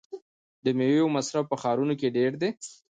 د میوو مصرف په ښارونو کې ډیر دی.